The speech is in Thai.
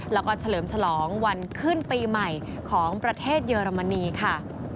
แล้วก็เฉลิมฉลองวันขึ้นปีใหม่ของประเทศเยอรมนีค่ะ